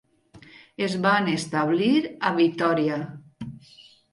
Es van establir a Vitòria.